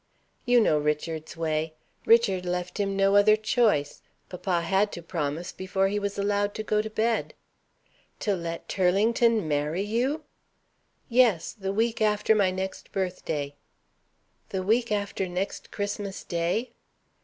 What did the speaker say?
"You know Richard's way; Richard left him no other choice. Papa had to promise before he was allowed to go to bed." "To let Turlington marry you?" "Yes; the week after my next birthday." "The week after next Christmas day?"